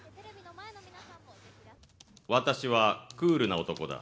私はクールな男だ。